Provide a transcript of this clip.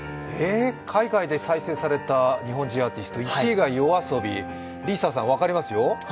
海外で再生された日本人アーティスト１位がＹＯＡＳＯＢＩ、ＬｉＳＡさんも分かりますよ。